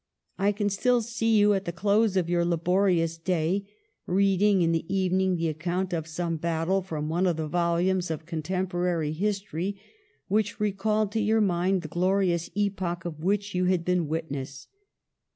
I can still see you, at the close of your laborious day, reading in the evening the account of some battle from one of the vol umes of contemporaneous history which re called to your mind the glorious epoch of which you had been witness.